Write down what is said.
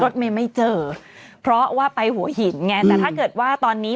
รถเมย์ไม่เจอเพราะว่าไปหัวหินไงแต่ถ้าเกิดว่าตอนนี้